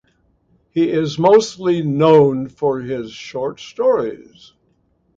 He is mostly known for his short stories.